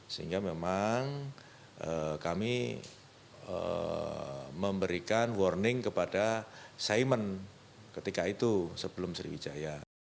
sehingga memang kami memberikan warning kepada simon ketika itu sebelum sriwijaya